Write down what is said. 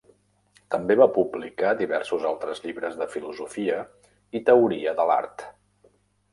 També va publicar diversos altres llibres de filosofia i teoria de l'art.